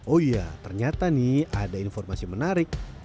oh iya ternyata nih ada informasi menarik